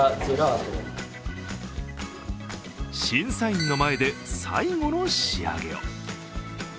審査員の前で最後の仕上げを。